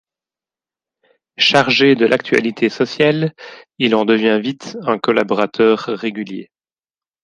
Chargé de l’actualité sociale, il en devient vite un collaborateur régulier.